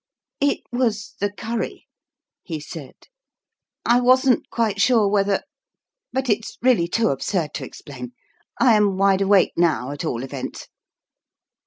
" It was the curry," he said. " I wasn't quite sure whether but it's really too absurd to explain. I am wide awake now, at all events